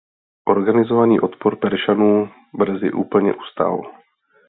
Organizovaný odpor Peršanů brzy úplně ustal.